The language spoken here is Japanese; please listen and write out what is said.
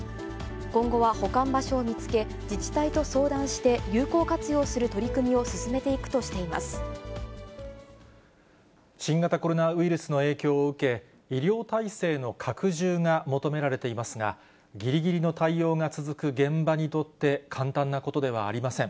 今後は保管場所を見つけ、自治体と相談して、有効活用する取り組新型コロナウイルスの影響を受け、医療体制の拡充が求められていますが、ぎりぎりの対応が続く現場にとって、簡単なことではありません。